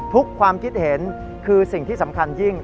ความคิดเห็นคือสิ่งที่สำคัญยิ่ง